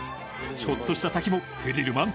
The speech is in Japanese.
ちょっとした滝もスリル満点！